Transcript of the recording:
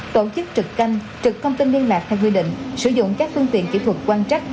tổ chức trực canh trực thông tin liên lạc theo quy định sử dụng các phương tiện kỹ thuật quan trắc